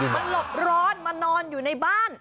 หลบร้อนมานอนอยู่ในบ้าน